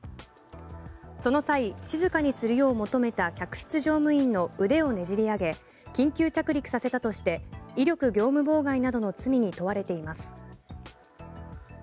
その際、静かにするよう求めた客室乗務員の腕をねじり上げ緊急着陸させたとして威力業務妨害などの罪に問われています。